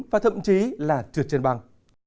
và thậm chí là trượt trên băng